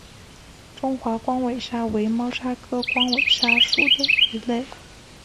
中华光尾鲨为猫鲨科光尾鲨属的鱼类。